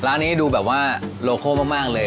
ร้านนี้ดูแบบว่าโลโคมากเลย